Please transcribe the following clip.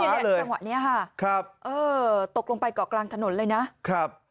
เนี่ยจังหวะนี้ค่ะครับเออตกลงไปเกาะกลางถนนเลยนะครับ